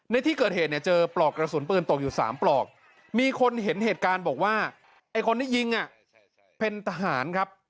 ในที่เกิดเหตุเนี่ยเจอปลอกกระสุนปืนตกอยู่๓ปลอกมีคนเห็นเหตุการณ์บอกว่าไอ้คนที่ยิงเป็นทหารครับ